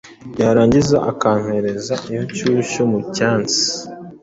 yarangiza akampereza iyo nshyushyu mu cyansi